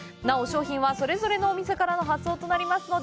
なお、商品はそれぞれのお店からの発送となります。